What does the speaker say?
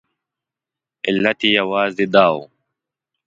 علت یې یوازې دا و.